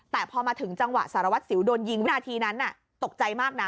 แต่พอมาถึงจังหวะสารวัตรสิวโดนยิงวินาทีนั้นตกใจมากนะ